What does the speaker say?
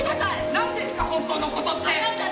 何ですか、本当のことって。